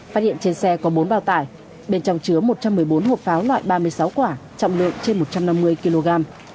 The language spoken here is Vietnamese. phát hiện trên xe có bốn bao tải bên trong chứa một trăm một mươi bốn hộp pháo loại ba mươi sáu quả trọng lượng trên một trăm năm mươi kg